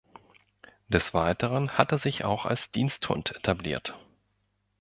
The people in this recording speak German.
Des Weiteren hat er sich auch als Diensthund etabliert.